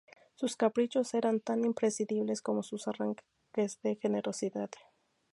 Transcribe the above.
Sus caprichos eran tan impredecibles como sus arranques de generosidad.